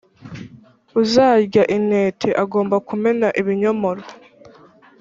uzarya intete agomba kumena ibinyomoro.